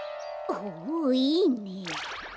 ほおいいね。